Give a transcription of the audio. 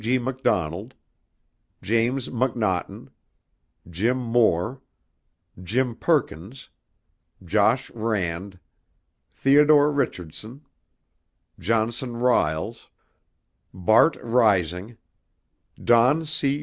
G. McDonald, James McNaughton, Jim Moore, Jim Perkins, Josh Rand, Theodore Richardson, Johnson Riles, Bart Rising, Don C.